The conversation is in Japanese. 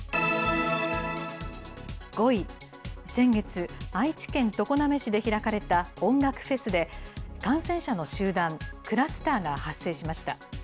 ５位、先月、愛知県常滑市で開かれた音楽フェスで、感染者の集団・クラスターが発生しました。